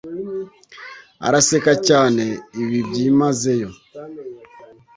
Araseka cyane ibi byimazeyo